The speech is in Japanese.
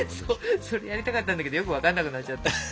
それやりたかったんだけどよく分かんなくなっちゃった。